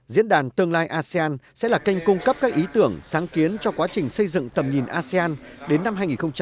diễn đàn tương lai asean sẽ là kênh cung cấp các ý tưởng sáng kiến cho quá trình xây dựng tầm nhìn asean đến năm hai nghìn bốn mươi năm